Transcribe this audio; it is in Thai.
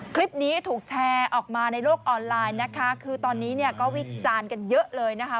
คลิปนี้ถูกแชร์ออกมาในโลกออนไลน์นะคะคือตอนนี้เนี่ยก็วิจารณ์กันเยอะเลยนะคะ